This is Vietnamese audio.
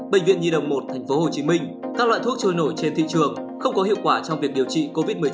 bệnh viện nhi đồng một tp hcm các loại thuốc trôi nổi trên thị trường không có hiệu quả trong việc điều trị covid một mươi chín